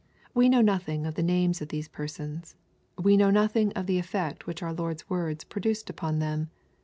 We know nothing of the names of those persons. We know nothing of the effect which our Lord's words produced upon them.